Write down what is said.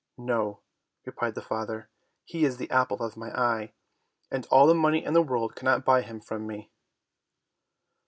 "No," replied the father, "he is the apple of my eye, and all the money in the world cannot buy him from me."